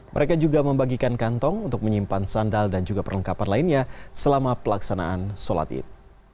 mereka juga membagikan kantong untuk menyimpan sandal dan juga perlengkapan lainnya selama pelaksanaan sholat id